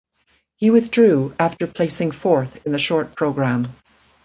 He withdrew after placing fourth in the short program.